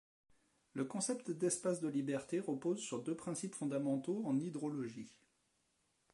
Le concept d’espace de liberté repose sur deux principes fondamentaux en hydrologie.